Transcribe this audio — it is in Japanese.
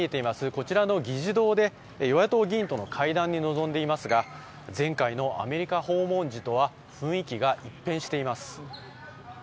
こちらの議事堂で与野党議員との会談に臨んでいますが前回のアメリカ訪問時とは雰囲気が一変しています。